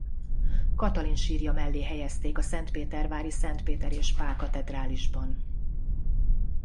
Katalin sírja mellé helyezték a szentpétervári Szent Péter és Pál-katedrálisban.